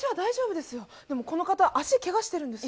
でもこの方足をけがしているんですよ